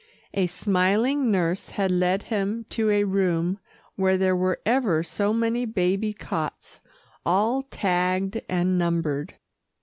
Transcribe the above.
A smiling nurse had led him to a room where there were ever so many baby cots all tagged and numbered.